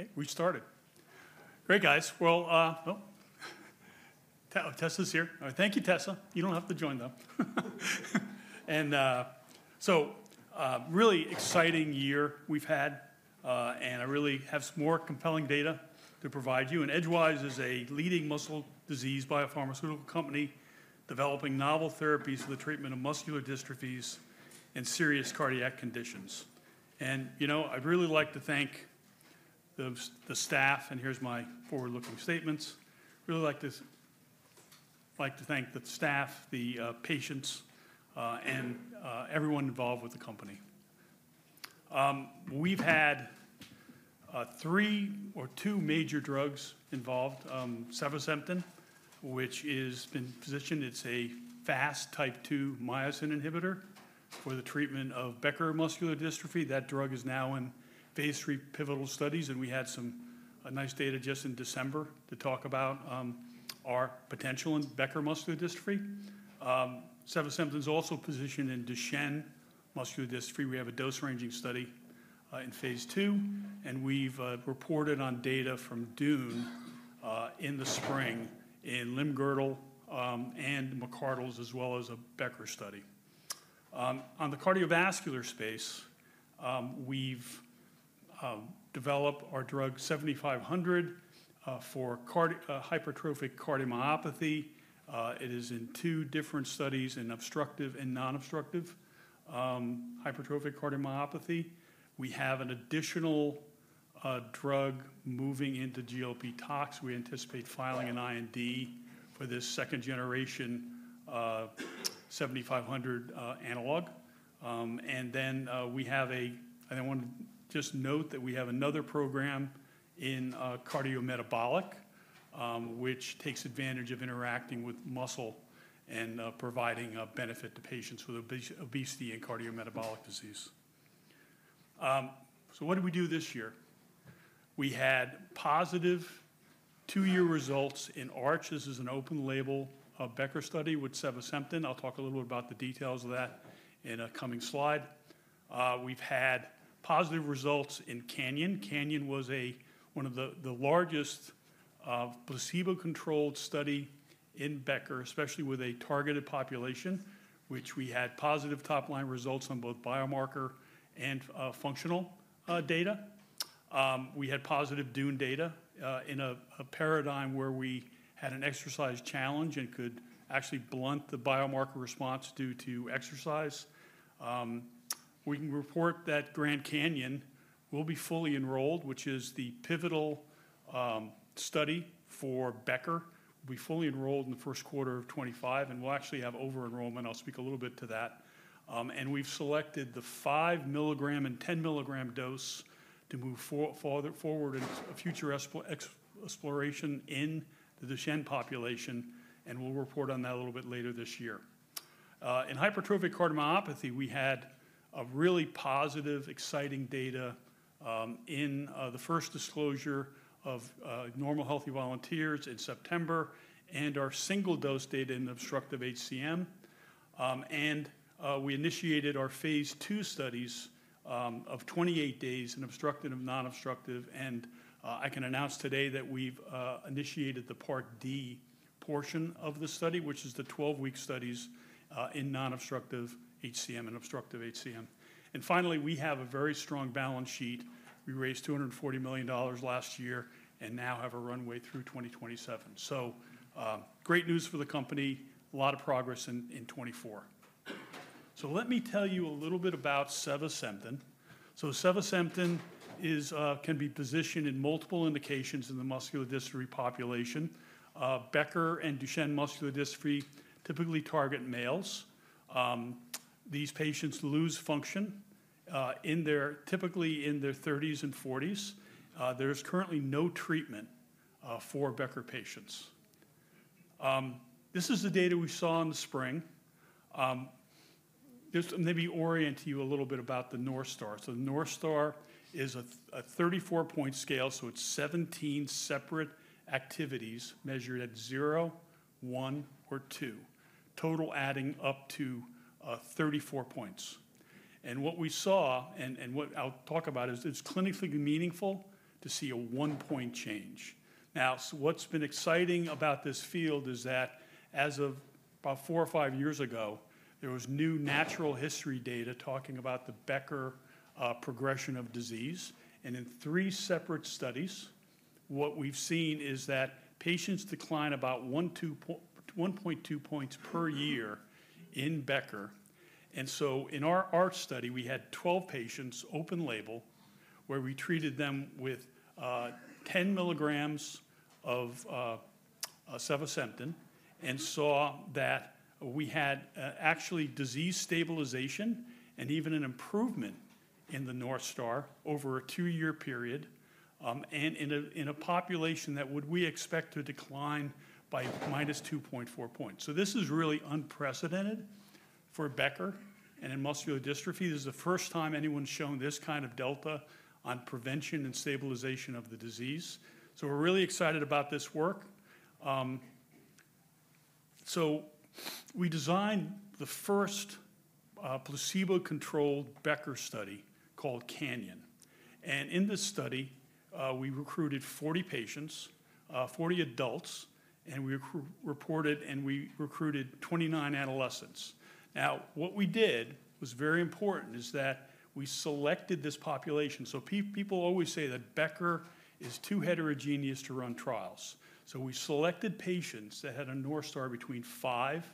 Okay, we started. Great, guys. Well, no. Tessa's here. Thank you, Tessa. You don't have to join, though. And, so a really exciting year we've had, and I really have some more compelling data to provide you. And Edgewise is a leading muscle disease biopharmaceutical company developing novel therapies for the treatment of muscular dystrophies and serious cardiac conditions. And, you know, I'd really like to thank the staff, and here's my forward-looking statements. I'd really like to thank the staff, the patients, and everyone involved with the company. We've had three or two major drugs involved: sevasemten, which has been positioned as a fast type 2 myosin inhibitor for the treatment of Becker muscular dystrophy. That drug is now in Phase III pivotal studies, and we had some nice data just in December to talk about our potential in Becker muscular dystrophy. Sevasemten is also positioned in Duchenne muscular dystrophy. We have a dose-ranging study in Phase II, and we've reported on data from DUNE in the spring in limb-girdle and McArdle's, as well as a Becker study. On the cardiovascular space, we've developed our drug 7500 for hypertrophic cardiomyopathy. It is in two different studies: obstructive and non-obstructive hypertrophic cardiomyopathy. We have an additional drug moving into GLP-tox. We anticipate filing an IND for this second-generation 7500 analog. And then we have—and I want to just note that we have another program in cardiometabolic, which takes advantage of interacting with muscle and providing benefit to patients with obesity and cardiometabolic disease. So what did we do this year? We had positive two-year results in ARCH; this is an open-label Becker study with Sevasemten. I'll talk a little bit about the details of that in a coming slide. We've had positive results in CANYON. CANYON was one of the largest placebo-controlled studies in Becker, especially with a targeted population, which we had positive top-line results on both biomarker and functional data. We had positive DUNE data in a paradigm where we had an exercise challenge and could actually blunt the biomarker response due to exercise. We can report that GRAND CANYON will be fully enrolled, which is the pivotal study for Becker. We'll be fully enrolled in the Q1 of 2025, and we'll actually have over-enrollment. I'll speak a little bit to that. And we've selected the five-milligram and 10-milligram dose to move forward in future exploration in the Duchenne population, and we'll report on that a little bit later this year. In hypertrophic cardiomyopathy, we had really positive, exciting data in the first disclosure of normal healthy volunteers in September and our single-dose data in obstructive HCM. And we initiated our Phase II studies of 28 days in obstructive and non-obstructive. And I can announce today that we've initiated the Part D portion of the study, which is the 12-week studies in non-obstructive HCM and obstructive HCM. And finally, we have a very strong balance sheet. We raised $240 million last year and now have a runway through 2027. So great news for the company, a lot of progress in 2024. So let me tell you a little bit about Sevasemten. So Sevasemten can be positioned in multiple indications in the muscular dystrophy population. Becker and Duchenne muscular dystrophy typically target males. These patients lose function typically in their 30s and 40s. There is currently no treatment for Becker patients. This is the data we saw in the spring. Just let me orient you a little bit about the North Star. So the North Star is a 34-point scale, so it's 17 separate activities measured at 0, 1, or 2, total adding up to 34 points. And what we saw, and what I'll talk about, is it's clinically meaningful to see a one-point change. Now, what's been exciting about this field is that as of about four or five years ago, there was new natural history data talking about the Becker progression of disease. And in three separate studies, what we've seen is that patients decline about 1.2 points per year in Becker. And so in our ARCH study, we had 12 patients open label where we treated them with 10 milligrams of Sevasemten and saw that we had actually disease stabilization and even an improvement in the North Star over a two-year period and in a population that we would expect to decline by minus 2.4 points. So this is really unprecedented for Becker and in muscular dystrophy. This is the first time anyone's shown this kind of delta on prevention and stabilization of the disease. So we're really excited about this work. So we designed the first placebo-controlled Becker study called CANYON. And in this study, we recruited 40 patients, 40 adults, and we recruited 29 adolescents. Now, what we did was very important is that we selected this population. So people always say that Becker is too heterogeneous to run trials. We selected patients that had a North Star between five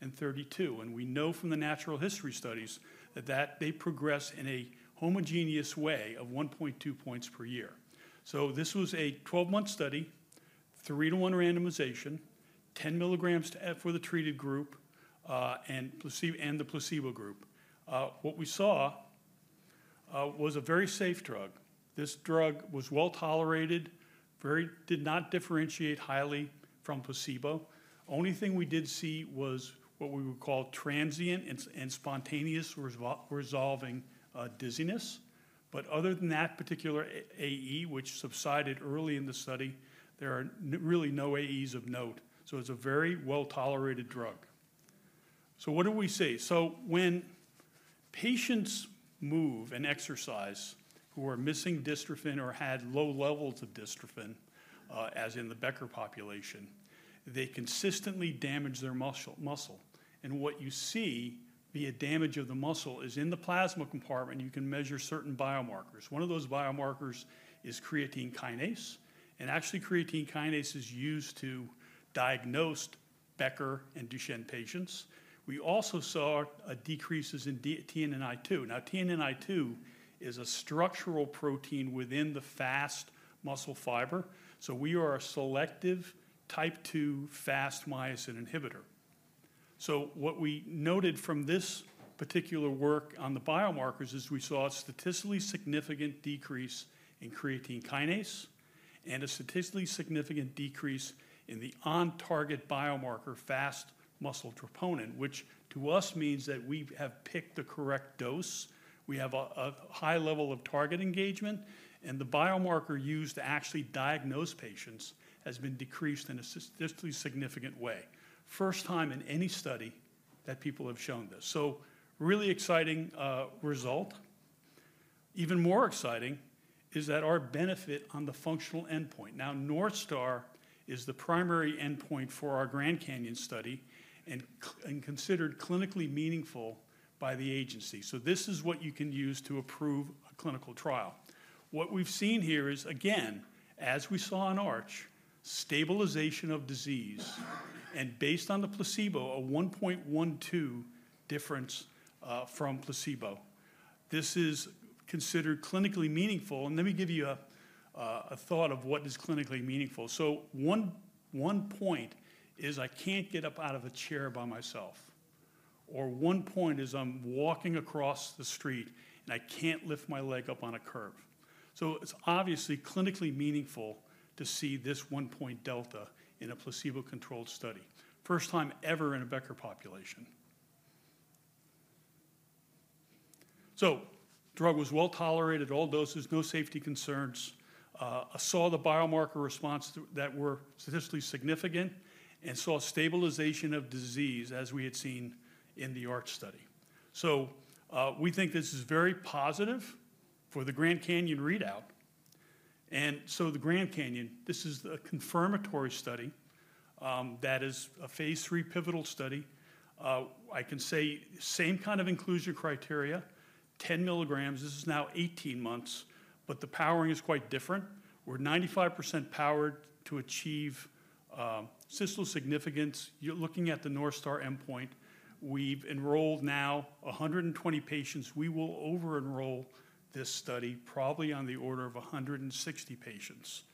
and 32. And we know from the natural history studies that they progress in a homogeneous way of 1.2 points per year. So this was a 12-month study, 3:1 randomization, 10 milligrams for the treated group and the placebo group. What we saw was a very safe drug. This drug was well tolerated, did not differentiate highly from placebo. Only thing we did see was what we would call transient and spontaneous resolving dizziness. But other than that particular AE, which subsided early in the study, there are really no AEs of note. So it's a very well-tolerated drug. So what do we see? So when patients move and exercise who are missing dystrophin or had low levels of dystrophin, as in the Becker population, they consistently damage their muscle. And what you see via damage of the muscle is in the plasma compartment, you can measure certain biomarkers. One of those biomarkers is creatine kinase. And actually, creatine kinase is used to diagnose Becker and Duchenne patients. We also saw decreases in TNNI2. Now, TNNI2 is a structural protein within the fast muscle fiber. So we are a selective type 2 FAST myosin inhibitor. So what we noted from this particular work on the biomarkers is we saw a statistically significant decrease in creatine kinase and a statistically significant decrease in the on-target biomarker fast muscle troponin, which to us means that we have picked the correct dose. We have a high level of target engagement, and the biomarker used to actually diagnose patients has been decreased in a statistically significant way. First time in any study that people have shown this. So really exciting result. Even more exciting is that our benefit on the functional endpoint. Now, North Star is the primary endpoint for our GRAND CANYON study, and considered clinically meaningful by the agency. So this is what you can use to approve a clinical trial. What we've seen here is, again, as we saw in ARCH, stabilization of disease, and, based on the placebo, a 1.12 difference from placebo. This is considered clinically meaningful, and let me give you a thought of what is clinically meaningful, so one point is I can't get up out of a chair by myself, or one point is I'm walking across the street and I can't lift my leg up on a curb, so it's obviously clinically meaningful to see this one-point delta in a placebo-controlled study, first time ever in a Becker population, so drug was well tolerated, all doses, no safety concerns. I saw the biomarker response that were statistically significant and saw stabilization of disease as we had seen in the ARCH study, so we think this is very positive for the Grand Canyon readout, and so the Grand Canyon, this is a confirmatory study that is a Phase III pivotal study. I can say same kind of inclusion criteria, 10 milligrams. This is now 18 months, but the powering is quite different. We're 95% powered to achieve statistical significance. You're looking at the North Star endpoint. We've enrolled now 120 patients. We will over-enroll this study probably on the order of 160 patients.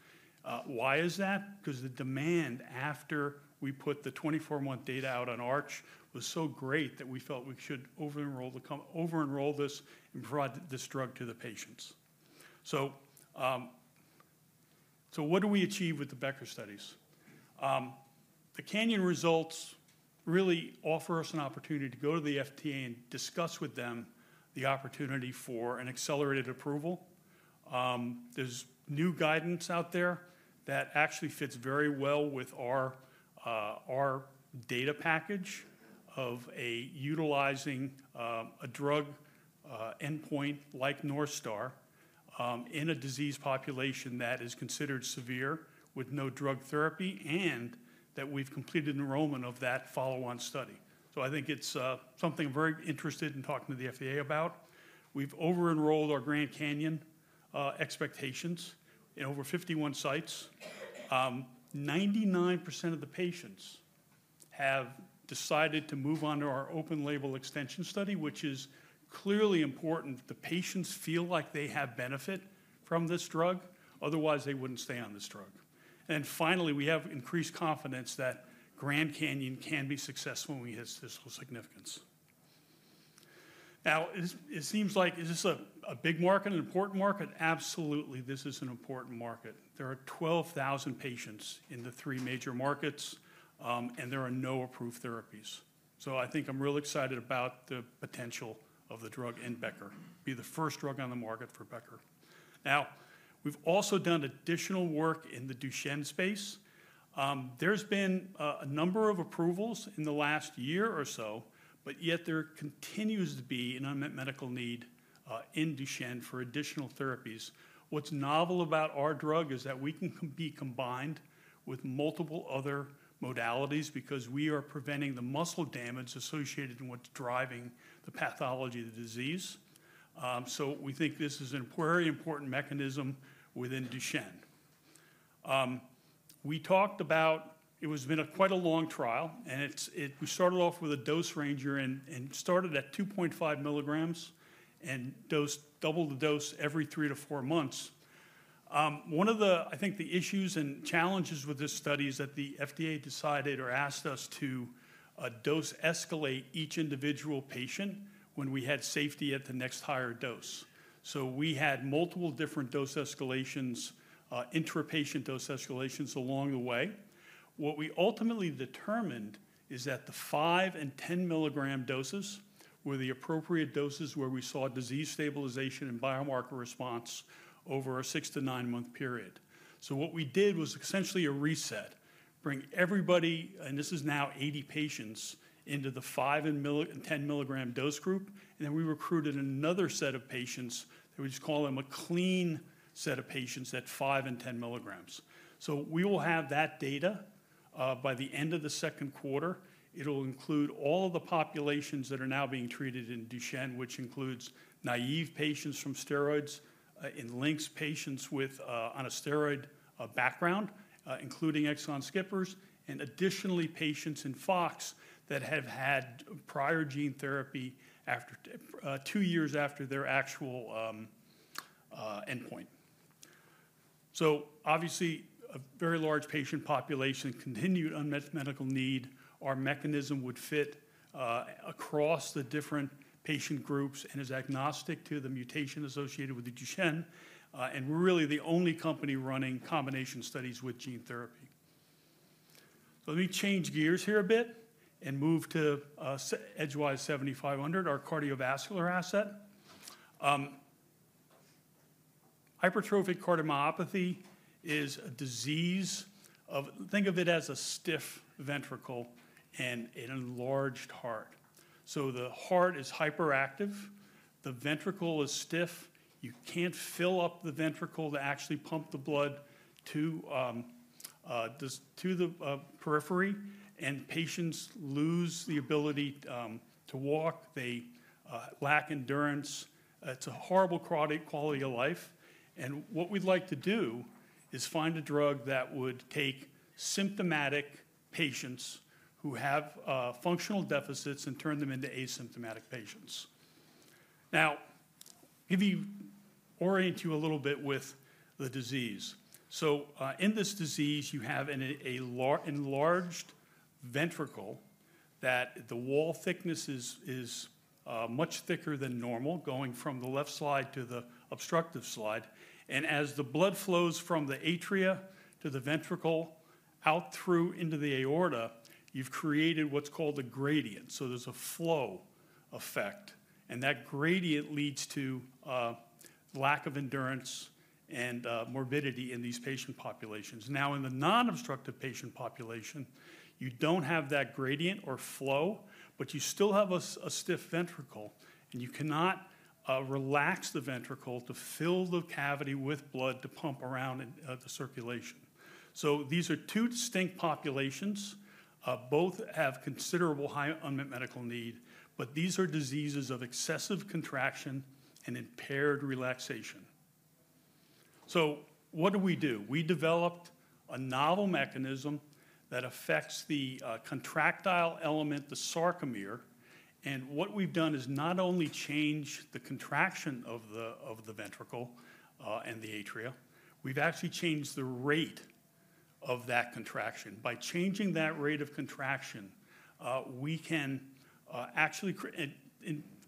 Why is that? Because the demand after we put the 24-month data out on ARCH was so great that we felt we should over-enroll this and provide this drug to the patients, so what do we achieve with the Becker studies? The CANYON results really offer us an opportunity to go to the FDA and discuss with them the opportunity for an accelerated approval. There's new guidance out there that actually fits very well with our data package of utilizing a drug endpoint like North Star in a disease population that is considered severe with no drug therapy and that we've completed enrollment of that follow-on study. So I think it's something I'm very interested in talking to the FDA about. We've over-enrolled our Grand Canyon expectations in over 51 sites. 99% of the patients have decided to move on to our open label extension study, which is clearly important. The patients feel like they have benefit from this drug. Otherwise, they wouldn't stay on this drug. And finally, we have increased confidence that Grand Canyon can be successful when we hit statistical significance. Now, it seems like, is this a big market, an important market? Absolutely, this is an important market. There are 12,000 patients in the three major markets, and there are no approved therapies. So I think I'm really excited about the potential of the drug in Becker, be the first drug on the market for Becker. Now, we've also done additional work in the Duchenne space. There's been a number of approvals in the last year or so, but yet there continues to be an unmet medical need in Duchenne for additional therapies. What's novel about our drug is that we can be combined with multiple other modalities because we are preventing the muscle damage associated in what's driving the pathology of the disease. So we think this is a very important mechanism within Duchenne. We talked about it was quite a long trial, and we started off with a dose-ranging and started at 2.5 milligrams and doubled the dose every three to four months. One of the, I think, the issues and challenges with this study is that the FDA decided or asked us to dose escalate each individual patient when we had safety at the next higher dose. So we had multiple different dose escalations, intrapatient dose escalations along the way. What we ultimately determined is that the 5 and 10 milligram doses were the appropriate doses where we saw disease stabilization and biomarker response over a six to nine-month period. So what we did was essentially a reset, bring everybody, and this is now 80 patients into the 5 and 10 milligram dose group, and then we recruited another set of patients. We just call them a clean set of patients at five and 10 milligrams. So we will have that data by the end of the Q2. It'll include all of the populations that are now being treated in Duchenne, which includes naive patients from steroids and LYNX patients on a steroid background, including exon skippers, and additionally patients in FOX that have had prior gene therapy two years after their actual endpoint. So obviously, a very large patient population continued unmet medical need. Our mechanism would fit across the different patient groups and is agnostic to the mutation associated with the Duchenne. And we're really the only company running combination studies with gene therapy. So let me change gears here a bit and move to EDG-7500, our cardiovascular asset. Hypertrophic cardiomyopathy is a disease. Think of it as a stiff ventricle and an enlarged heart. The heart is hyperactive. The ventricle is stiff. You can't fill up the ventricle to actually pump the blood to the periphery, and patients lose the ability to walk. They lack endurance. It's a horrible quality of life. What we'd like to do is find a drug that would take symptomatic patients who have functional deficits and turn them into asymptomatic patients. Now, let me orient you a little bit with the disease. In this disease, you have an enlarged ventricle that the wall thickness is much thicker than normal going from the left side to the obstructive side. As the blood flows from the atria to the ventricle out through the aorta, you've created what's called a gradient. There's a flow effect. That gradient leads to lack of endurance and morbidity in these patient populations. Now, in the non-obstructive patient population, you don't have that gradient or flow, but you still have a stiff ventricle, and you cannot relax the ventricle to fill the cavity with blood to pump around the circulation. So these are two distinct populations. Both have considerable high unmet medical need, but these are diseases of excessive contraction and impaired relaxation. So what do we do? We developed a novel mechanism that affects the contractile element, the sarcomere. And what we've done is not only change the contraction of the ventricle and the atria, we've actually changed the rate of that contraction. By changing that rate of contraction, we can actually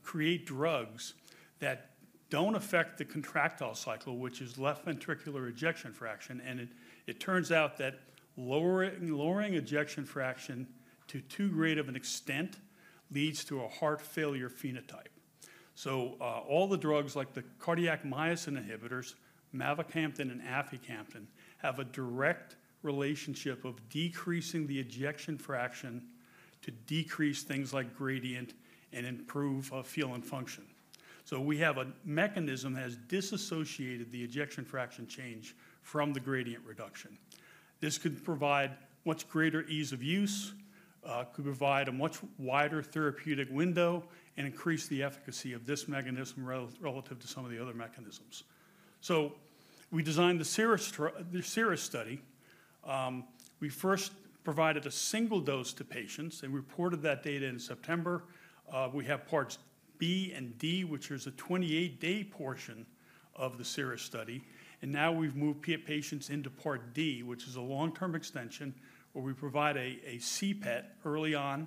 create drugs that don't affect the contractile cycle, which is left ventricular ejection fraction. And it turns out that lowering ejection fraction to too great of an extent leads to a heart failure phenotype. So all the drugs like the cardiac myosin inhibitors, mavacamten and aficamtin have a direct relationship of decreasing the ejection fraction to decrease things like gradient and improve feel and function. So we have a mechanism that has disassociated the ejection fraction change from the gradient reduction. This could provide much greater ease of use, could provide a much wider therapeutic window, and increase the efficacy of this mechanism relative to some of the other mechanisms. So we designed the CIRRUS study. We first provided a single dose to patients. They reported that data in September. We have Parts B and D, which is a 28-day portion of the CIRRUS study. And now we've moved patients into Part D, which is a long-term extension where we provide a CPET early on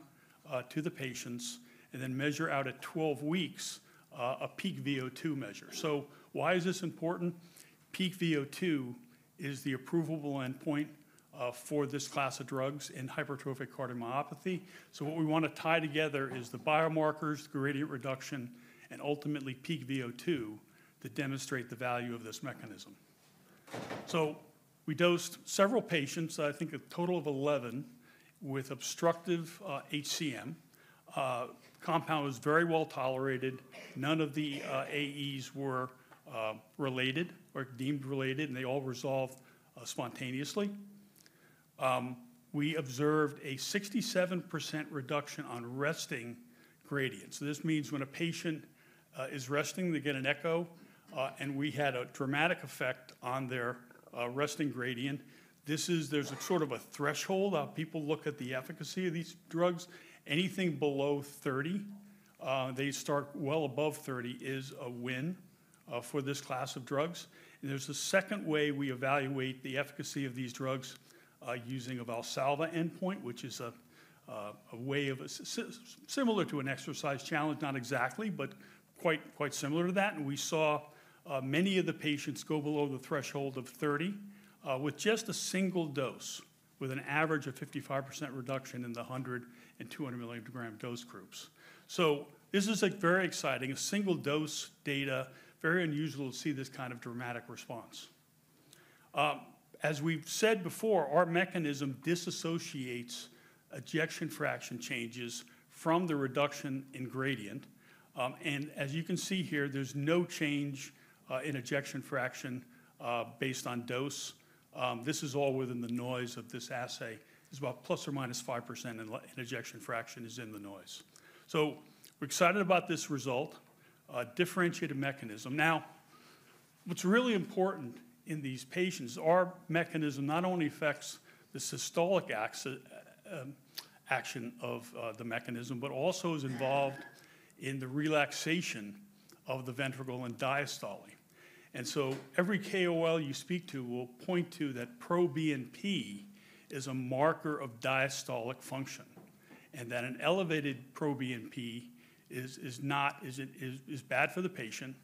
to the patients and then measure out at 12 weeks a peak VO2 measure. So why is this important? Peak VO2 is the approvable endpoint for this class of drugs in hypertrophic cardiomyopathy. So what we want to tie together is the biomarkers, the gradient reduction, and ultimately peak VO2 to demonstrate the value of this mechanism. So we dosed several patients, I think a total of 11 with obstructive HCM. Compound was very well tolerated. None of the AEs were related or deemed related, and they all resolved spontaneously. We observed a 67% reduction on resting gradient. So this means when a patient is resting, they get an echo, and we had a dramatic effect on their resting gradient. There's sort of a threshold. People look at the efficacy of these drugs. Anything below 30, they start well above 30 is a win for this class of drugs. There's a second way we evaluate the efficacy of these drugs using a Valsalva endpoint, which is a way similar to an exercise challenge, not exactly, but quite similar to that. We saw many of the patients go below the threshold of 30 with just a single dose, with an average of 55% reduction in the 100- and 200-milligram dose groups. This is very exciting, a single dose data, very unusual to see this kind of dramatic response. Our mechanism disassociates ejection fraction changes from the reduction in gradient. As you can see here, there's no change in ejection fraction based on dose. This is all within the noise of this assay. It's about plus or minus 5% in ejection fraction is in the noise. We're excited about this result, differentiated mechanism. Now, what's really important in these patients, our mechanism not only affects the systolic action of the mechanism, but also is involved in the relaxation of the ventricle and diastole, and so every KOL you speak to will point to that proBNP is a marker of diastolic function and that an elevated proBNP is bad for the patient,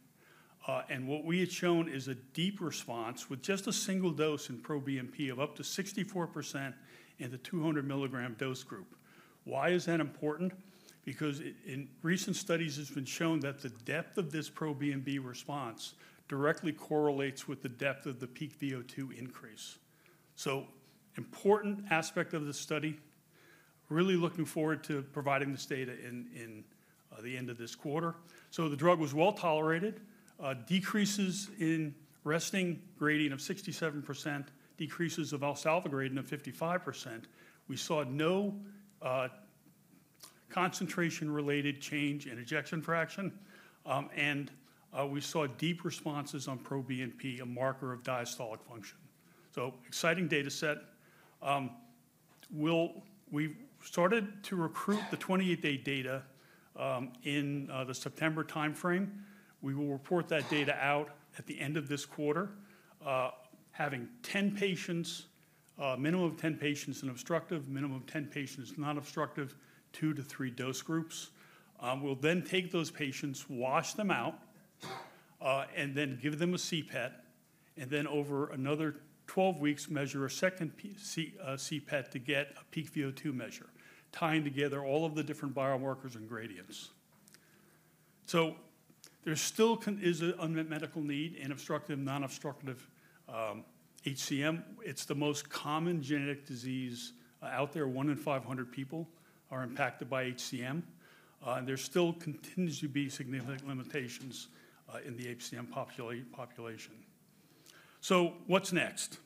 and what we had shown is a deep response with just a single dose in proBNP of up to 64% in the 200 milligram dose group. Why is that important? Because in recent studies, it's been shown that the depth of this proBNP response directly correlates with the depth of the Peak VO2 increase, so important aspect of the study, really looking forward to providing this data in the end of this quarter, so the drug was well tolerated, decreases in resting gradient of 67%, decreases of Valsalva gradient of 55%. We saw no concentration-related change in ejection fraction, and we saw deep responses on proBNP, a marker of diastolic function. So exciting data set. We started to recruit the 28-day data in the September timeframe. We will report that data out at the end of this quarter, having 10 patients, a minimum of 10 patients in obstructive, a minimum of 10 patients non-obstructive, two to three dose groups. We'll then take those patients, wash them out, and then give them a CPET, and then over another 12 weeks, measure a second CPET to get a peak VO2 measure, tying together all of the different biomarkers and gradients. So there still is an unmet medical need in obstructive and non-obstructive HCM. It's the most common genetic disease out there. One in 500 people are impacted by HCM. And there still continues to be significant limitations in the HCM population. So what's next?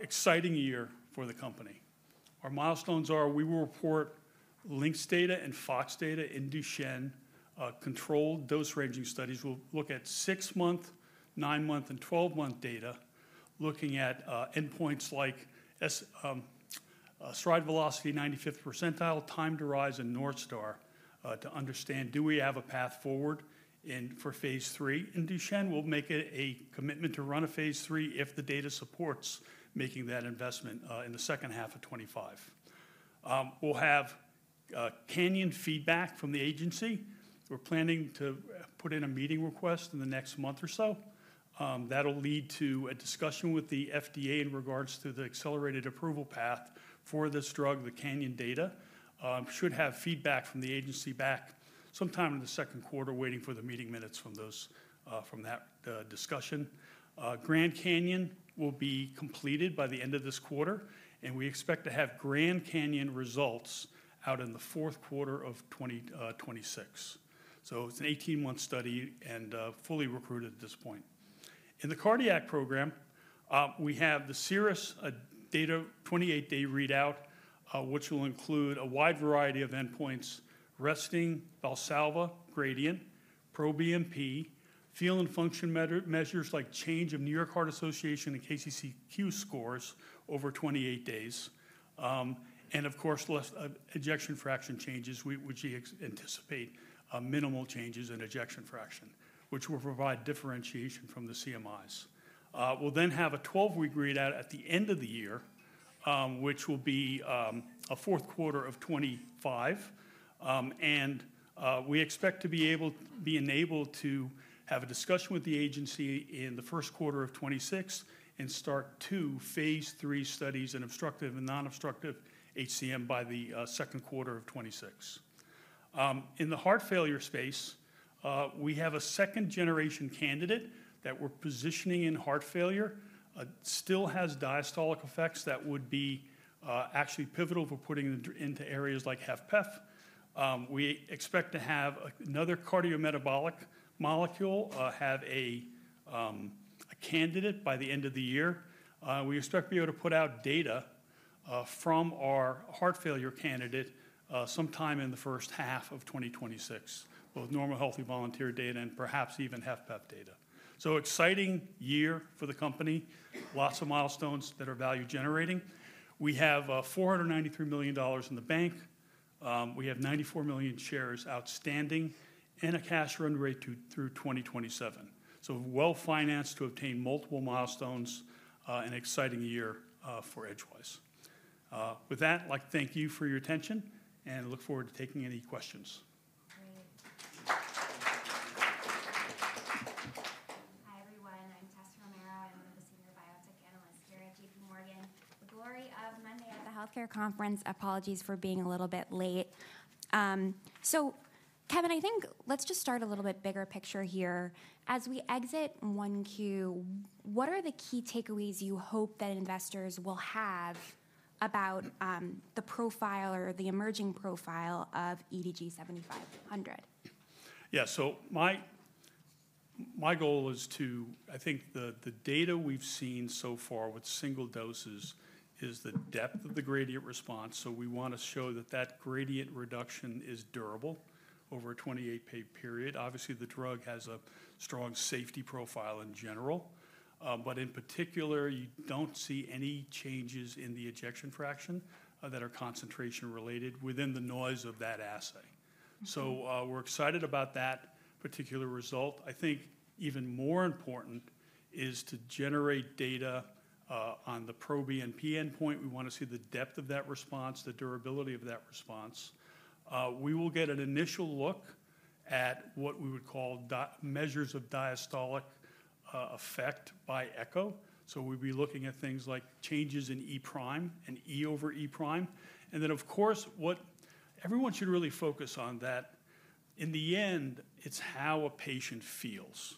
Exciting year for the company. Our milestones are we will report LYNX data and FOX data in Duchenne, controlled dose ranging studies. We'll look at six-month, nine-month, and 12-month data looking at endpoints like stride velocity, 95th percentile, time to rise in North Star to understand, do we have a path forward for Phase III? In Duchenne, we'll make a commitment to run a Phase III if the data supports making that investment in the second half of 2025. We'll have CANYON feedback from the agency. We're planning to put in a meeting request in the next month or so. That'll lead to a discussion with the FDA in regards to the accelerated approval path for this drug, the CANYON data. Should have feedback from the agency back sometime in the Q2, waiting for the meeting minutes from that discussion. GRAND CANYON will be completed by the end of this quarter, and we expect to have GRAND CANYON results out in the Q4 of 2026. It's an 18-month study and fully recruited at this point. In the cardiac program, we have the CIRRUS-HCM data, 28-day readout, which will include a wide variety of endpoints: resting, Valsalva, gradient, proBNP, feel and function measures like change of New York Heart Association and KCCQ scores over 28 days, and of course, ejection fraction changes, which we anticipate minimal changes in ejection fraction, which will provide differentiation from the CMIs. We'll then have a 12-week readout at the end of the year, which will be a Q4 of 2025. We expect to be able to be enabled to have a discussion with the agency in the Q1 of 2026 and start two Phase III studies in obstructive and non-obstructive HCM by the Q2 of 2026. In the heart failure space, we have a second-generation candidate that we're positioning in heart failure. It still has diastolic effects that would be actually pivotal for putting into areas like HFpEF. We expect to have another cardiometabolic molecule have a candidate by the end of the year. We expect to be able to put out data from our heart failure candidate sometime in the first half of 2026, both normal healthy volunteer data and perhaps even HFpEF data. So exciting year for the company, lots of milestones that are value-generating. We have $493 million in the bank. We have 94 million shares outstanding and a cash run rate through 2027. So well-financed to obtain multiple milestones, an exciting year for Edgewise. With that, I'd like to thank you for your attention and look forward to taking any questions. Hi, everyone. I'm Tessa T. Romero. I'm one of the senior biotech analysts here at J.P. Morgan. The glory of Monday at the healthcare conference. Apologies for being a little bit late. Kevin, I think let's just start a little bit bigger picture here. As we exit 1Q, what are the key takeaways you hope that investors will have about the profile or the emerging profile of EDG-7500? Yeah, so my goal is to, I think the data we've seen so far with single doses is the depth of the gradient response. So we want to show that that gradient reduction is durable over a 28-day period. Obviously, the drug has a strong safety profile in general, but in particular, you don't see any changes in the ejection fraction that are concentration-related within the noise of that assay. So we're excited about that particular result. I think even more important is to generate data on the proBNP endpoint. We want to see the depth of that response, the durability of that response. We will get an initial look at what we would call measures of diastolic effect by echo. So we'll be looking at things like changes in E prime and E over E prime. And then, of course, what everyone should really focus on that, in the end, it's how a patient feels.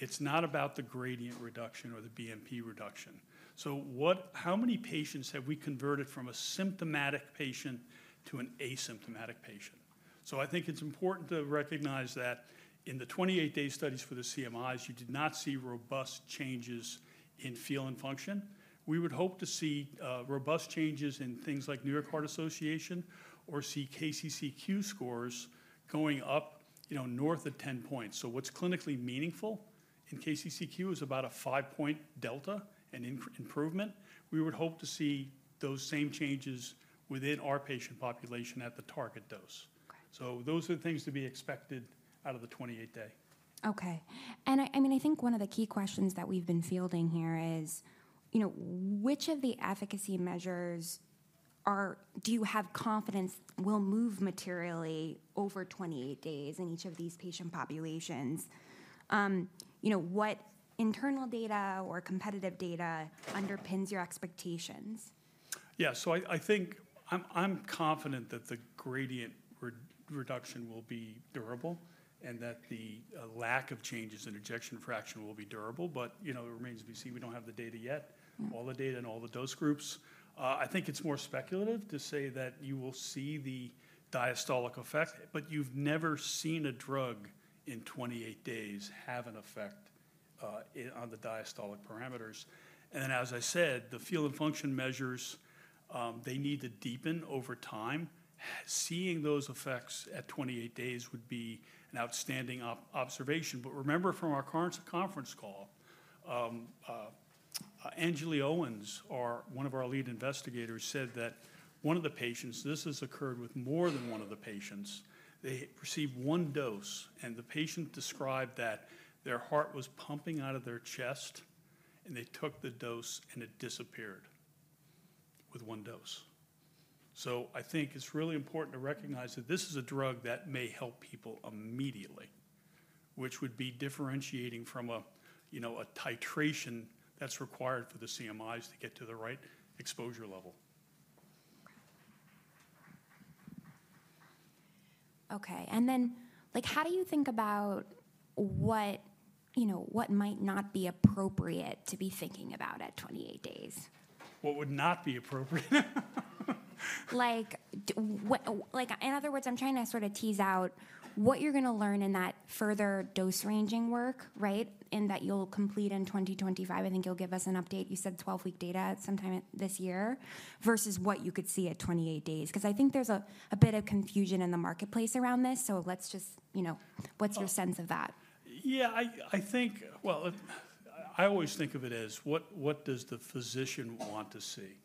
It's not about the gradient reduction or the BNP reduction. So how many patients have we converted from a symptomatic patient to an asymptomatic patient? So I think it's important to recognize that in the 28-day studies for the CMIs, you did not see robust changes in feel and function. We would hope to see robust changes in things like New York Heart Association or see KCCQ scores going up north of 10 points. So what's clinically meaningful in KCCQ is about a 5-point delta, an improvement. We would hope to see those same changes within our patient population at the target dose. So those are the things to be expected out of the 28-day. Okay. And I mean, I think one of the key questions that we've been fielding here is, which of the efficacy measures do you have confidence will move materially over 28 days in each of these patient populations? What internal data or competitive data underpins your expectations? Yeah, so I think I'm confident that the gradient reduction will be durable and that the lack of changes in ejection fraction will be durable, but it remains to be seen. We don't have the data yet, all the data and all the dose groups. I think it's more speculative to say that you will see the diastolic effect, but you've never seen a drug in 28 days have an effect on the diastolic parameters, and as I said, the feel and function measures, they need to deepen over time. Seeing those effects at 28 days would be an outstanding observation. But remember from our conference call, Anjali Owens, one of our lead investigators, said that one of the patients, this has occurred with more than one of the patients, they received one dose and the patient described that their heart was pumping out of their chest and they took the dose and it disappeared with one dose. So I think it's really important to recognize that this is a drug that may help people immediately, which would be differentiating from a titration that's required for the CMIs to get to the right exposure level. Okay. And then how do you think about what might not be appropriate to be thinking about at 28 days? What would not be appropriate? In other words, I'm trying to sort of tease out what you're going to learn in that further dose ranging work, right, and that you'll complete in 2025. I think you'll give us an update. You said 12-week data sometime this year versus what you could see at 28 days. Because I think there's a bit of confusion in the marketplace around this. So let's just, what's your sense of that? Yeah, I think, well, I always think of it as what does the physician want to see?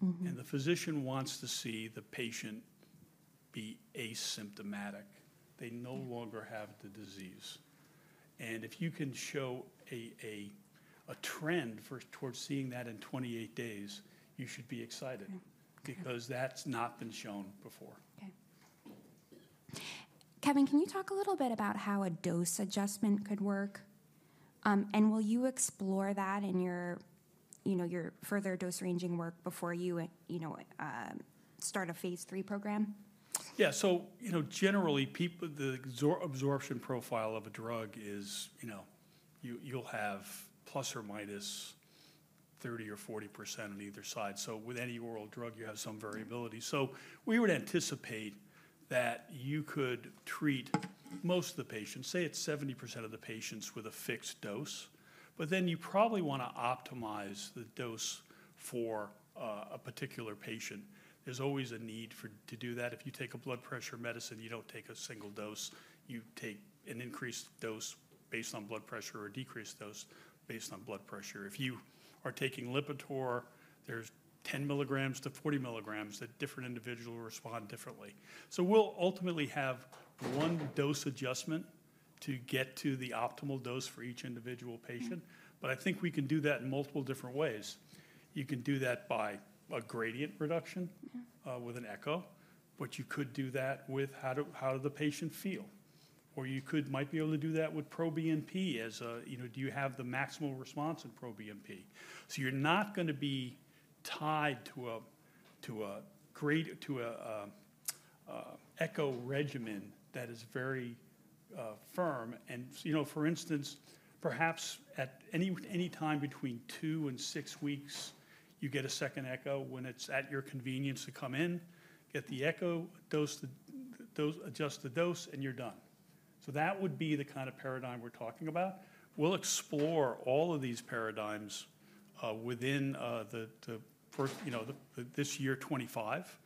And the physician wants to see the patient be asymptomatic. They no longer have the disease. And if you can show a trend towards seeing that in 28 days, you should be excited because that's not been shown before. Okay. Kevin, can you talk a little bit about how a dose adjustment could work? And will you explore that in your further dose ranging work before you start a Phase III program? Yeah. Generally, the absorption profile of a drug is you'll have plus or minus 30% or 40% on either side. With any oral drug, you have some variability. We would anticipate that you could treat most of the patients, say it's 70% of the patients with a fixed dose. But then you probably want to optimize the dose for a particular patient. There's always a need to do that. If you take a blood pressure medicine, you don't take a single dose. You take an increased dose based on blood pressure or decreased dose based on blood pressure. If you are taking Lipitor, there's 10-40 milligrams that different individuals respond differently. We'll ultimately have one dose adjustment to get to the optimal dose for each individual patient. But I think we can do that in multiple different ways. You can do that by a gradient reduction with an echo, but you could do that with how the patient feels. Or you might be able to do that with proBNP as a, do you have the maximal response in proBNP? So you're not going to be tied to an echo regimen that is very firm. For instance, perhaps at any time between two and six weeks, you get a second echo when it's at your convenience to come in, get the echo, adjust the dose, and you're done. So that would be the kind of paradigm we're talking about. We'll explore all of these paradigms within 2025,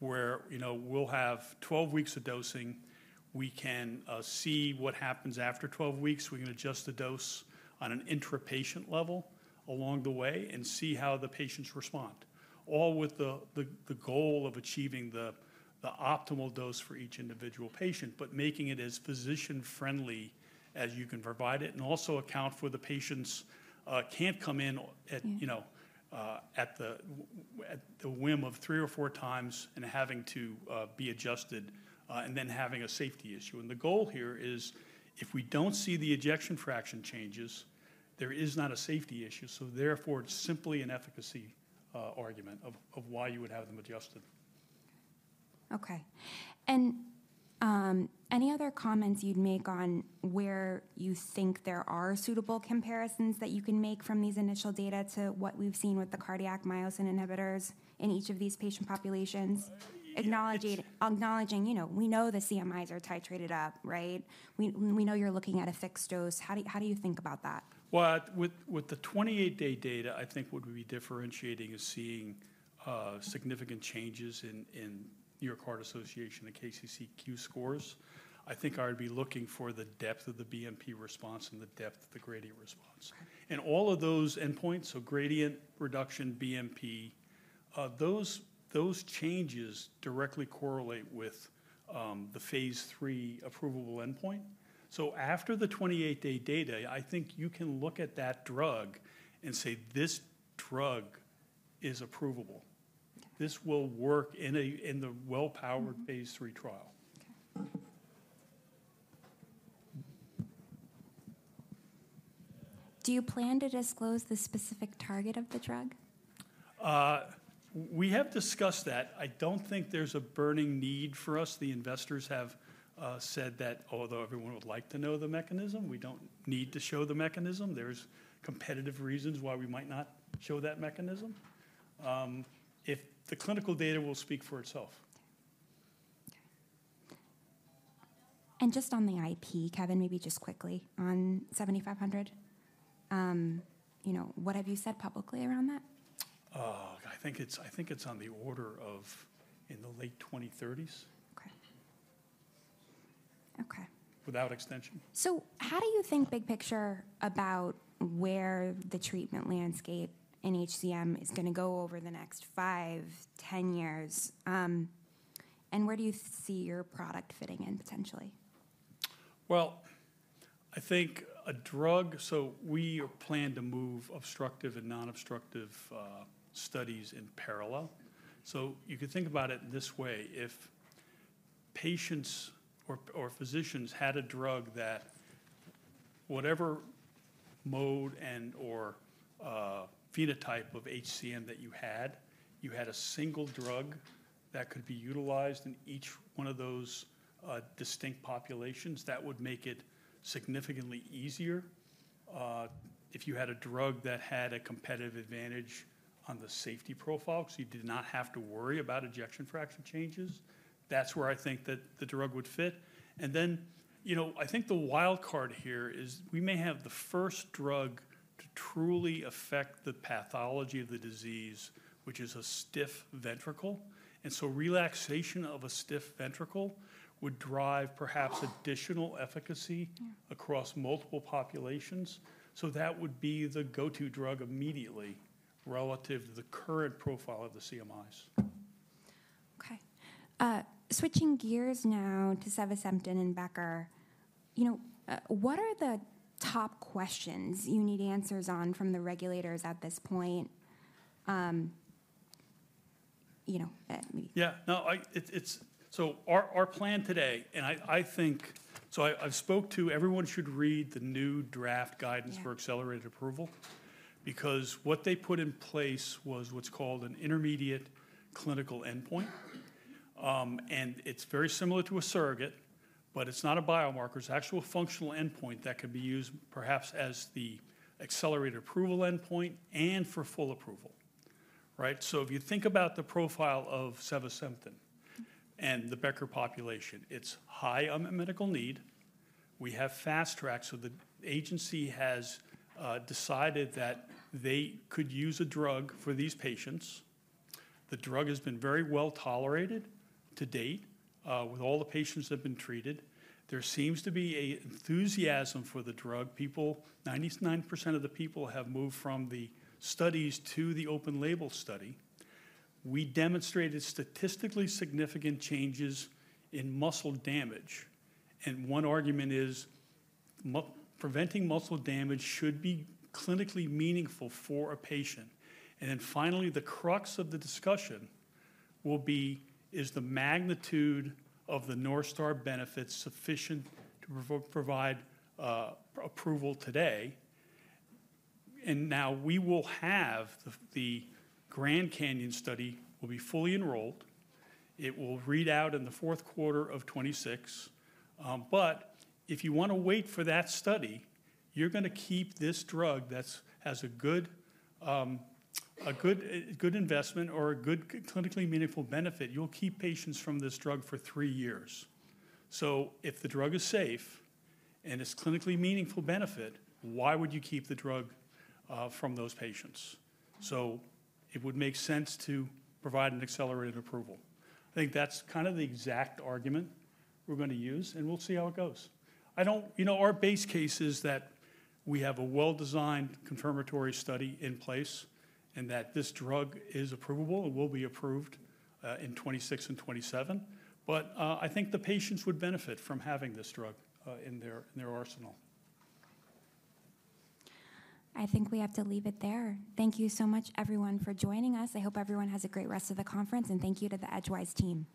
where we'll have 12 weeks of dosing. We can see what happens after 12 weeks. We can adjust the dose on an intrapatient level along the way and see how the patients respond, all with the goal of achieving the optimal dose for each individual patient, but making it as physician-friendly as you can provide it and also account for the patients can't come in at the whim of three or four times and having to be adjusted and then having a safety issue. And the goal here is if we don't see the ejection fraction changes, there is not a safety issue. So therefore, it's simply an efficacy argument of why you would have them adjusted. Okay. And any other comments you'd make on where you think there are suitable comparisons that you can make from these initial data to what we've seen with the cardiac myosin inhibitors in each of these patient populations, acknowledging we know the CMIs are titrated up, right? We know you're looking at a fixed dose. How do you think about that? With the 28-day data, I think what we'd be differentiating is seeing significant changes in New York Heart Association and KCCQ scores. I think I would be looking for the depth of the BNP response and the depth of the gradient response. All of those endpoints, so gradient reduction, BNP, those changes directly correlate with the Phase III approvable endpoint. After the 28-day data, I think you can look at that drug and say, "This drug is approvable. This will work in the well-powered Phase III trial. Do you plan to disclose the specific target of the drug? We have discussed that. I don't think there's a burning need for us. The investors have said that, although everyone would like to know the mechanism, we don't need to show the mechanism. There's competitive reasons why we might not show that mechanism. If the clinical data will speak for itself. Okay. And just on the IP, Kevin, maybe just quickly on 7500, what have you said publicly around that? I think it's on the order of in the late 2030s. Without extension. So how do you think big picture about where the treatment landscape in HCM is going to go over the next 5, 10 years? And where do you see your product fitting in potentially? Well, I think a drug, so we plan to move obstructive and non-obstructive studies in parallel. So you could think about it this way. If patients or physicians had a drug that whatever mode and/or phenotype of HCM that you had, you had a single drug that could be utilized in each one of those distinct populations, that would make it significantly easier. If you had a drug that had a competitive advantage on the safety profile because you did not have to worry about ejection fraction changes, that's where I think that the drug would fit. And then I think the wild card here is we may have the first drug to truly affect the pathology of the disease, which is a stiff ventricle. And so relaxation of a stiff ventricle would drive perhaps additional efficacy across multiple populations. So that would be the go-to drug immediately relative to the current profile of the CMIs. Okay. Switching gears now to Sevasemten and Becker, what are the top questions you need answers on from the regulators at this point? Yeah. So our plan today, and I think so I've spoke to everyone should read the new draft guidance for accelerated approval because what they put in place was what's called an intermediate clinical endpoint. And it's very similar to a surrogate, but it's not a biomarker. It's an actual functional endpoint that can be used perhaps as the accelerated approval endpoint and for full approval. Right? So if you think about the profile of Sevasemten and the Becker population, it's high on medical need. We have fast track. So the agency has decided that they could use a drug for these patients. The drug has been very well tolerated to date with all the patients that have been treated. There seems to be enthusiasm for the drug. 99% of the people have moved from the studies to the open label study. We demonstrated statistically significant changes in muscle damage. One argument is preventing muscle damage should be clinically meaningful for a patient. And then finally, the crux of the discussion will be is the magnitude of the North Star benefits sufficient to provide approval today. And now we will have the GRAND CANYON study will be fully enrolled. It will read out in the Q4 of 2026. But if you want to wait for that study, you're going to keep this drug that has a good investment or a good clinically meaningful benefit. You'll keep patients from this drug for three years. So if the drug is safe and it's clinically meaningful benefit, why would you keep the drug from those patients? So it would make sense to provide an accelerated approval. I think that's kind of the exact argument we're going to use, and we'll see how it goes. Our base case is that we have a well-designed confirmatory study in place and that this drug is approvable and will be approved in 2026 and 2027. But I think the patients would benefit from having this drug in their arsenal. I think we have to leave it there. Thank you so much, everyone, for joining us. I hope everyone has a great rest of the conference, and thank you to the Edgewise team.